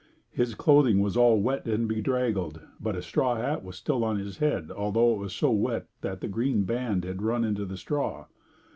His clothing was all wet and bedraggled, but a straw hat was still on his head although it was so wet that the green band had run into the straw.